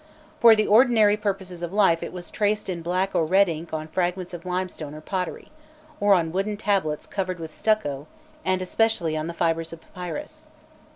For the ordinary purposes of life it was traced in black or red ink on fragments of limestone or pottery, or on wooden tablets covered with stucco, and specially on the fibres of papyrus.